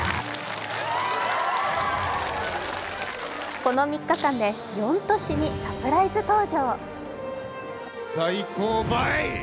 この３日間で４都市にサプライズ登場。